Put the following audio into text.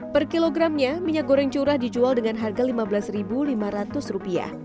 per kilogramnya minyak goreng curah dijual dengan harga rp lima belas lima ratus